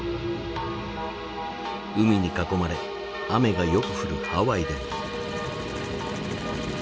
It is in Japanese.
海に囲まれ雨がよく降るハワイでも。